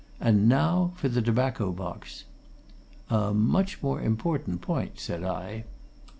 And now for the tobacco box." "A much more important point," said I.